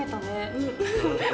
うん。